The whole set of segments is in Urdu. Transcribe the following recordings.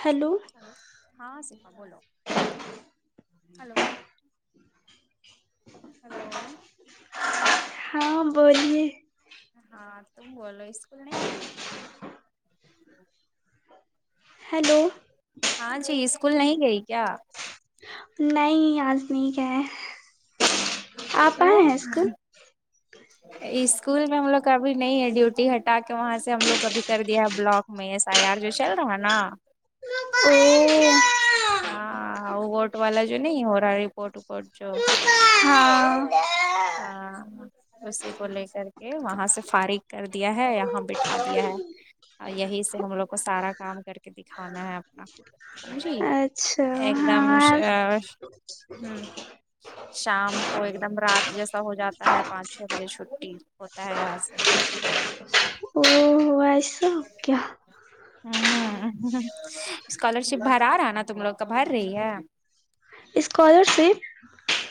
ہیلو ہیلو ہاں سپا بولو ہیلو ہیلو ہاں بولیے ہاں تم بولو اسکول نہیں گئی ہیلو ہاں جی اسکول نہیں گئی کیا نہیں اج نئی گئے آپ آئے کیوں ہیں اسکول اسکول میں ہم لوگ ابھی نہیں ہے ڈیوٹی ہٹا کے وہاں سے ہم لوگ ابھی کر دیا ہے بلاک میں ایس ای یار جو چل رہا ہے نا [unintelligible] ہاں آ ووٹ والا جو نہیں ھورہا رپٹپ رپورٹ جو ہاں ہاں اسی کو لے کر کے وہاں سے فارغ کر دیا ہے یہاں بٹھا دیا ہے یہی سے ہم لوگ کو سارا کام کر کے دکھانا ہے اب سمجی اچھا ہاں ہ شام کو ایک دم رات جیسا ہو جاتا ہے پانچ چھ بجے چھٹی ہوتا ہے یہاں سے او [unintelligible] ویسا [unintelligible] اوک ہمم اسکالر شپ بھرا رہا ہے نا تم لوگ کا بھر رہی ہے اسکالرشپ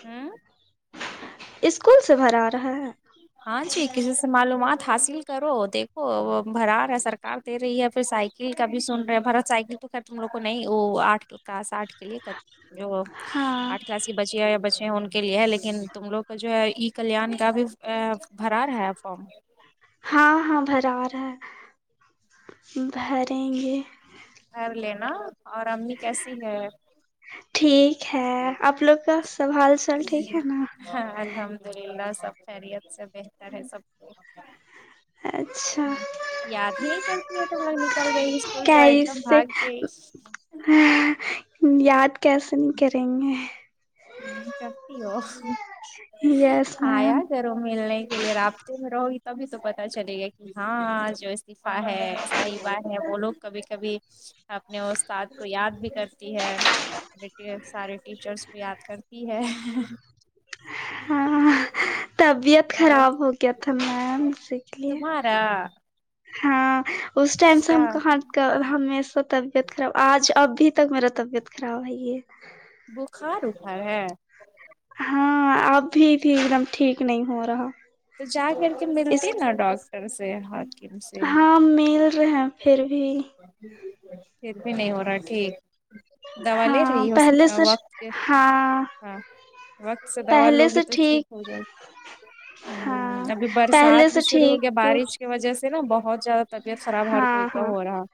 ہمم اسکول سے بھرا رہا ہے ہاں جی کسی سے معلومات حاصل کرو دیکھو وہ بھرا رہا سرکار دے رہی ہے پھر سائ ل کبھی سن رہے [unintelligible] سائیکل تو خیر تم لوگ کو نہیں وہ آٹ کلاس [unintelligible] یو ہاں آھ کلاس بچییا یا بچے ہیں ان کے لیے ہے لیکن تم لوگ کو جو ہے ای کلان کا بھی ا بھرا رہا ہے فارم ہاں ہاں بھرا رہا ہے بھریں گے بھر لینا اور امی کیسی ہے ٹھیک ہے آپ لوگ کا سب ھال سال ٹھیک ہے نا ہاں الحمد للہ سب خیریت سے بہتر ہے سب اچھا یاد ہے نکلتی ہے تو لوگ نکل گئی اسکول سے اور ایک دم بھاگ گئی ہ یاد کیسے نہیں کریں گے ہ کرتی ہو یس آیا میم گ تم ملنے کے لیے رابطے میں رہو گی تبھی تو پتا چلے گا کہ ہاں جو اسفا ہے صحبہ ہے وہ لوگ کبھی کبھی اپنے استاد کو یاد بھی کرتی ہے سارے ٹیچرس کو یاد کرتی ہے ہاں تب ب اور خراب ہو گیا تھا میم اسی کے لیے تمہارا ہاں اس ٹائم سے کیا ہم کہاں کا [unintelligible] طبیعت خراب آج اب بھی تک میرا طبیعت خراب ہےئی یہ بخار اخار ہے ہاں ا بھی بھی ٹھیک نہیں ہو رہا تو جا کر کے اس ملتی نا ڈاکٹر سے سے ہاں مل رہے پھر بھی پھر بھی نہیں ہو رہا ٹھیک دوا لے ہاں رہی ہو پہلے سے وقت پے ہاں ہاں وقت سے دوا پہلے سے لوگی تو ٹھیک ہو جاؤ گی ہاں ہ ابھی پہلے برسات سے بھی شروع ہو گیا ٹھیک بارش کی وجہ سے نا بہت زیادہ طبیعت خراب ہر ہاں کوئی کا ہاں ہو رہا ہے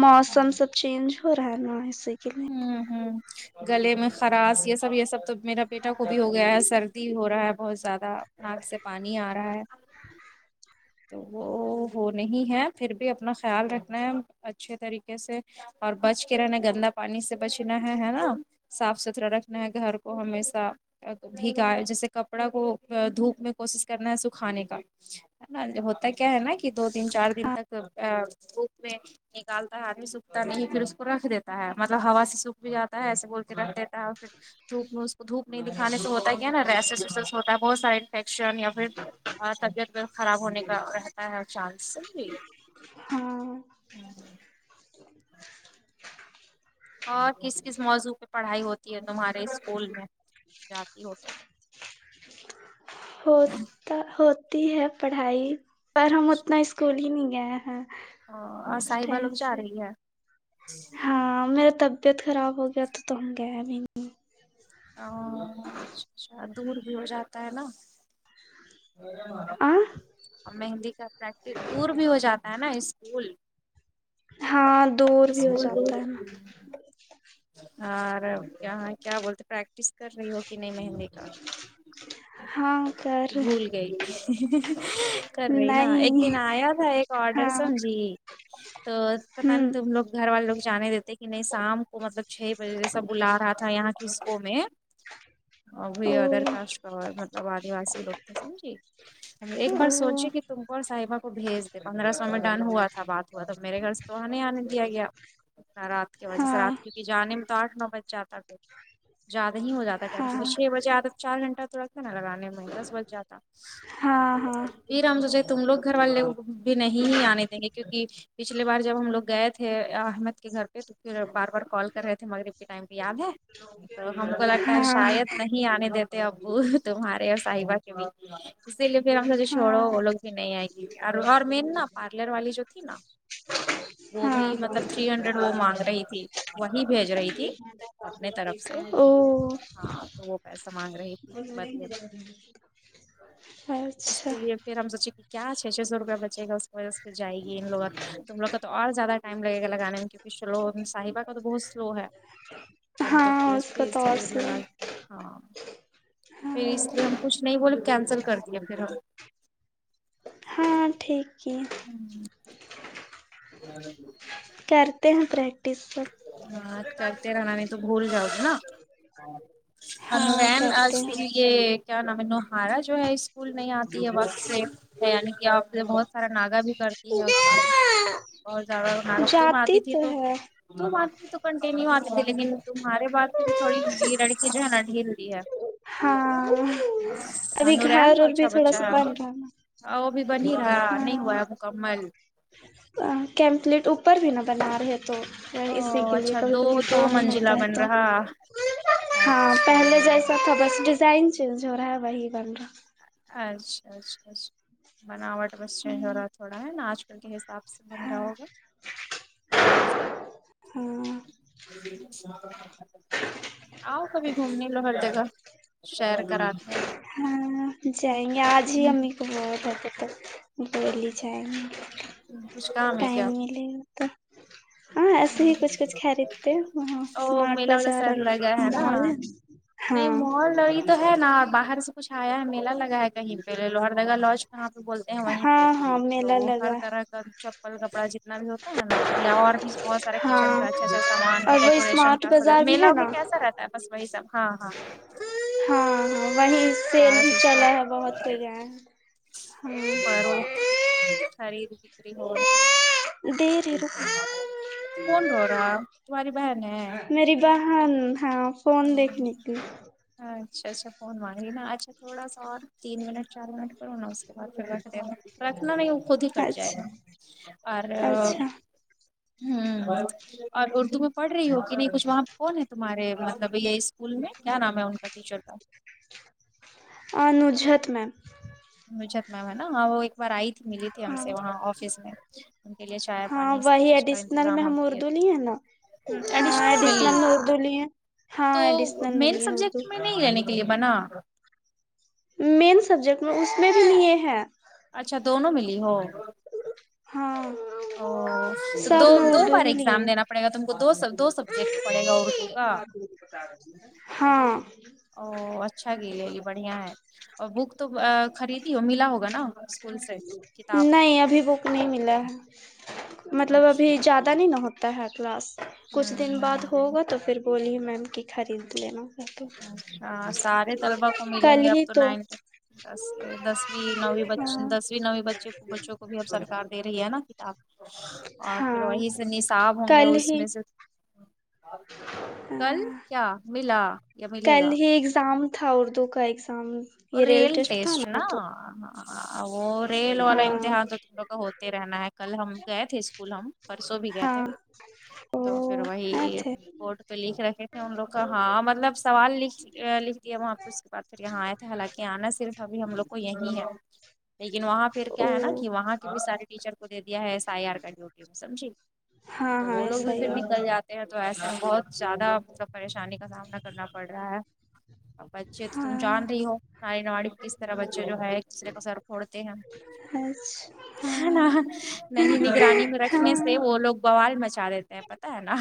موسم سب چینج ہو رہا ہے نا اسی کے لیے ہوں ہوں گلے میں خراش یہ سب یہ سب تو میرا پ بیٹا خوبی ہو گیا ہے سردی ہو رہا ہے بہت زیادہ ناک سے پانی آ رہا ہے تو وہ وہ نہیں ہے پھر بھی اپنا خیال رکھنا ہے اچھے طریقے سے اور بچ کے رہنا گندا پانی سے بچنا ہے ہے نا صاف ستھرا رکھنا ہے گھر کو ہمیشہ بیھگا جیسے کپڑا کو دھوپ میں کوشش کرنا ہے سکھانے کا نا ہوتا کیا ہے نا کہ دو دن چار دن تک ا دھوپ میں نکالتا ہے آدھی سوکھتا نہیں پھر اس کو رکھ دیتا ہے مطلب ہوا سے سوکھ بھی جاتا ہے ایسے بول کے رکھ دیتا ہے اور پھر دھوپ میں اس کو دھوپ نہیں دکھانے سے ہوتا ہے کیا نا ریسس ویسس ہوتا ہے بہت سارا انفیکشن یا پھر ہاں طبیعت بی خراب ہونے کا رہتا ہے چانس ہاں اور کس کس موضوع پہ پڑھائی ہوتی ہے تمہارے اسکول میں جاتی ہو تو ہو ہوتی ہے پڑھائی پر ہم اتنا اسکول ہی نہیں گئے ہیں ہ اور اس صائبہ ٹائم لوگ جا سے رہی ہے ہاں میرا طبیعت خراب ہو گیا تو تو ہم گئے بھی نہیں ا اچھا دور بھی ہو جاتا ہے نا آ اور مہندی کا پریکٹس دور بھی ہو جاتا ہے نا اسکول ہاں دور بھی ہو اسکول دو جاتا ہے نا اور یہاں کیا بولتے پریکٹس کر رہی ہو کہ نہیں مہندی کا ہاں کر بھول گئی کر رہی نا ایک دن نہیں آیا تھا ایک آڈر ہاں سمجھی تو پتاہ نہیں ہوں تم لوگ گھر والے لوگ جانے دیتے کہ نہیں شام کو مطلب چھ بجے سے سب بلا رہا تھا یہاں کی اسکو میں اور وہ او ادر کاسٹ کا مطلب آدی واسی لوگ تھے سمجھی ایک بار او سوچے کہ تم کو اور صاحبہ کو بھیج د پندرہ سو میں ڈن ہوا تھا بات ہوا تو میرے گھر سے تو وہاں نہیں آنے دیا گیا رات کے وجہ سے ہاں رات کیونکہ جانے میں تو آٹھ نو بج جاتا ہےھر زیادہ ہی ہو جاتا ہے ہاں ٹیم چھ بجے آد چار گھنٹہ تھوڑا کتنا لگانے میں دس بج جاتا ہاں ج ہاں پھر ہم سوچا تم لوگ گھر والے بھی نہیں آنے دیں گے کیونکہ پچھلے بار جب ہم لوگ گئے تھے احمد کے گھر پہ تو پھر بار بار کال کر رہے تھے مگر ٹائم پہ یاد ہے تو ہم کو لگتا ہے ہاں شاید نہیں آنے دیتا ابو تمہارے اور صاحبہ کے بھی اسی لیے پھر ہم سے جو چھوڑو ہاں وہ لوگ بھی نہیں آئے گی اور مین نا بات پلر والی جو تھی نا وہ بھی ہاں مطلب تھری ہنڈریڈ وہ مانگ رہی تھی وہی بھیج رہی تھی اپنے طرف سے ہاں تو وہ اوو پیسہ مانگ رہی تھی بدلے میں اس لیے اچھا پھر ہم سوچے کہ کیا چھ سو روپے بچے گل اس میں جائے گی ان لوگ تم لوگ کا تو اور زیادہ ٹائم لگے گا گانے میں کیونکہ سلو صاحبہ بت سلو ہے تم توپھر ہاں اس کا بھی تو اور اسپیڈ سلو ہے لگاتی ہاں پھر اس ہاں لیے ہم کچھ نہیں بولے کینسل کر دیا پھر ہم ہاں ٹھیگ ہے ہم کرتے ہیں پریک ٹیس ہاں کرتے رہنا نہیں تو [unintelligible] ہ وین آ تے کیا نا م ہے نو ہارا جو ہے اسکول نہیں آتی ہے وقت سے یعنی کہ آپ سے بہت سارا ناگا بھی کرتی ہے اس میں بہت زیادہ ناگا میں جاتی آتی تھی تو ہے ت آتی تھی تو کنٹینیو آتی تھی لیکن تمہارے بات پہ جو تھوڑی یہ لڑکی جو ہے نا ڈھیل ہے ہاں ابھی سانو رین گھر تو اور اچھا بھی تھوڑا بچا سا ہے بن رہا آہ وہ بھی بنی رہا نہیں ہوا ہاں ہے مکمل کیمپلیٹ اوپر بھی نہ بنا رہے تو او اسی کے لیے اچھا کبھی دو کبھی دو کام ہوتا منزلہ ہے بن تو رہا ہاں اچھا پہلے جیسا تھا بس ڈیزائن چینج ہو رہا ہے وہی بن رہا اچھا اچھا اچھا بناوٹ بس چینج ہو رہا ہے تھوڑا ہے نا آج کے حساب سے بن رہا ہاں ہوگا ہ ہاں آؤ کبھی گھومنے لو ہر جگہ شیر کراتے ہیں ہاں جائیں گے آج ہی امی کو بہت ارجنٹہے دہلی جائیں گے کچھ کام ہے ٹائم کیا ملے تو ہاں ایسے ہی کچھ کچھ خریدتے ہیں وہاں او اسمارٹ میلا والا بازار اور سر لگا نا مال ہے نہیں ہاں مال تو ہے نا باہر سے کچھ آیا ہے میلہ لگا ہے کہیں پہ لوہر جگا لوج جاں پہ بولتے ہیں وہیں پہ ہاں ہاں میلہ تو ہر لگا طرح کا چپل کپڑا جتنا بھی ہوتا ہے نا یا اور بھی بہت سارا کچن کا ہاں اچھا اچھا سامان اور وہ ڈیکوریشن اسمارٹ کا سب بازار بھی میلا ہے میں نا کیسا رہتا بس وہی سب ہاں ہاں ہاں ہاں وہ سیل سارا بھی چیز کا چلے ہے بہت کوئی گ ہاں فروخت دے رہی رکو [unintelligible] کون روراہ تمہاری بہن میری بہن ہاں فون دیکھنے کی اچھا اچھا فون میں آچھا تھوڑا سا اور تین منٹ چار منٹ کرا اس کے بعد پھر بیٹ دینا رکھنا نہیں وہ خود ہی کٹ جائے گا اچھا اور اچھا ہوں اور اردو میں پڑھ رہی ہو کہ نہیں کچھ وہاں پہ کون ہے تمہارے مطلب یہ اسکول میں کیا نام ہے ان کا ٹیچر تھا انجھت میںم مھ میم ہے نا ہاں وہ ایک بار آئی تھی ملی تھی ہم ہاں سے وہاں آفس میں ان کے لیے چا ہاں وہی ایڈیشنل میں ہم اردو لی ہیں نا ہ ہاں ایڈیشنل ملی میں اردو لیے ہاں تو ایڈیشنل میں مین لیے اردو سبجیکٹ میں نہیں جنے تی بناا مین سبجیکٹ میں اس میں بھی لی ہے اچھا دونوں میں لی ہو ہاں او تو دو سب میں دو اردو بار ہی ایگزام لیے دینا پڑے گا تم کو دو دو سبجیکٹ پڑے گا اردو کا ہاں او اچھا گے لی بڑھیا ہے اور بک تو خریدی ہو ملا ہوگا نا اسکول سے کتاب نہیں ابھی بک نہیں ملا ہے مطلب اچھا ابھی ہوں زیادہ پتہ نہیں نہ ہوتا ہے کلاس کچھ دن بعد ہ ہوگا تو پھر بولیے میم کہ خرید لینا کر اچھا سارے طلبا کو ملیں کل گے اب ہی تو نائنٹھ دس دسویں نویں بچ ہاں دسویں نویں بچوں کو پوچوں بھی اب سرکار دے رہی ہے نا کتاب اور پھر ہاں وہی سے نصاب ہوں گے کل اس ہی میں سے کل کیا ملا یا ملے کل گا ہی اگزام تھا اردو کا اگزام ریل ٹسٹ نہ وہ ریل والا ہاں امتحان تو تم لوگا کا ہوتے رہنا ہے کل ہم گئے تھے اسکول ہم پرسوں بھی گئے تھے ا وہائی بورڈ پہ لکھ رکھے تھے ان لوگ کا ہاں مطلب سوال لکھ لکھ دیا وہاں پہ اس کے بعد پھر یہاں آ حالانکہ آنا صرف ابھی ہم لوگ کو یہی ہے لیکن وہاں پھر او کیا ہے نا کہ وہاں کے بھی سارے ٹیچر کو دے دیا ہے س آئی آر کا ڈیوٹی میں سمجھی ہاں تو ہاں وہ لوگ ایسا بھی ہی پھر اور نکل جاتے تو ایسا بہت زیادہ مطلب پریشانی کا سامنا کرنا پڑ رہا ہے بچے تو تم ہاں جان رہی ہو ناری نڑی کس طرح بچے جو ہے ایک دوسرے کو سر پھوڑتے ہیں بس نا نہیں نگرانی میں رکھنے سے ہاں وہ لوگ بوال مچا دیتے ہیں پتا ہے نا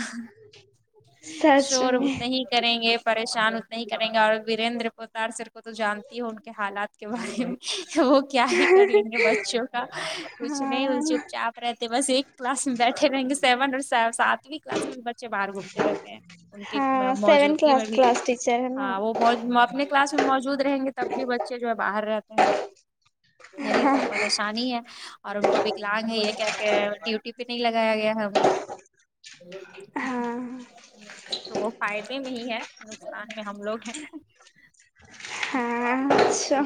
سچ شور میں اتنا ہی کریں گے پریشان اتنا ہی کریں گے اور ورییندر پوتار صرف تو جانتی ہو ان کے حالات کے بارے میں کہ وہ کیا ہی کر لیں گے بچوں کچھ نہیں ہاں چپ چاپ رہتے بس ایک کلاس میں بیٹھے رہیں گے سیون اور ساتھ کلاس میں بھی بچے باہر گھومتے رہتے ہیں ان کے ہاں سیون موجودگی کلاس میں بھی کلاس ٹیچر ہے نا ہاں وہ اپنے کلاس میں موجود رہیں گے تب بھی بچے جو ہے باہر رہتے ہیں یہی ہاں تو پریشانی ہے اور ان کو بھیکلان گے یہ کیا کہ ڈیوٹی پہ نہیں لگایا گیا ہاں ہاں تو وہ فائدے میں ہی ہے نقصان میں ہم لوگ ہیں ہاں اچھا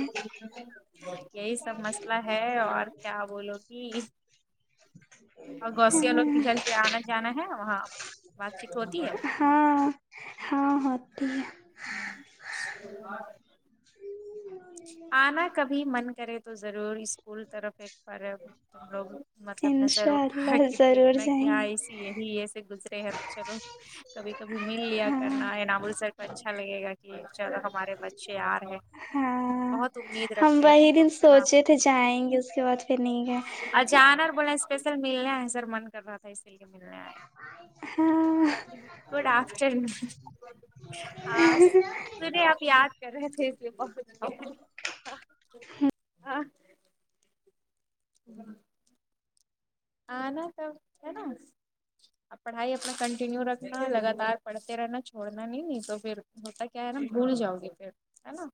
یہی سب مسئلہ ہے اور کیا بولو گی اور گوسییا لوگ کے گھر سے آنا جانا ہے وہاں بات چیت ہوتی ہے ہاں ہاں ہوتی ہے آنا کبھی من کرے تو ضرور اسکول طرف ایک بار تم لوگ مطلب نظر انشاء اٹھا اللہ کہ ضرور دیکھنا کہ جائیں ہاں گے ایسی یہی ایسے گزرے ہیں تو چلو کبھی کبھی مل لیا ہاں کرنا ہے نا امرتسر کو اچھا لگے گا کہ چلو ہمارے بچے آ رہے ہاں بہت امید ہم رکھتے ہیں تم وہی لوگ دن سے نا سوچے تھے جائیں گے اس کے بعد پھر نہیں گئے پ سر ملنے آئے ہے سر من کر رہا تھا اسی لیے ملنے آئے ہاں گڈ آفٹرون سنے آپ یاد کر رہے تھے اس لی ب آنا تو ہے نا پڑھائی اپنا کنٹینیو رکھنا ہے لگاتار پڑھتے رہنا چھڑنا نہیں نہیں تو پھر ہوتا کیا ہے نا بھول جاؤ گے پھر ہے نا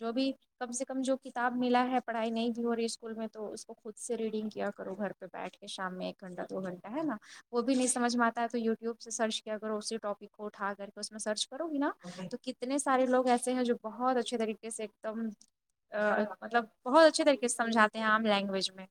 جو بھی کم سے کم جو کتاب ملا ہے پڑھائی نہیں بھی ہو رہی اسکول میں تو اس کو خود سے ریڈنگ کیا کرو گھر پہ بیٹھ کے شام میں ایک گھنٹہ دو گھنٹہ ہے نا وہ بھی نہیں سجھ میں آتا ہے تو یوٹیوب سے سرچ کیا اگر اسی ٹاپک کو اٹھا کر کے اس میں سرچ کرو گی نا تو کتنے سارے لوگ ایسے ہیں جو بہت اچھے طریقے سے ایک دم مطلب بہت اچھے طریقے سے سمجھاتے ہیں عام لینگویج میں